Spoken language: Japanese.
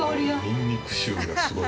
◆にんにく臭がすごい。